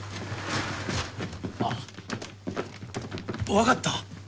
わかった？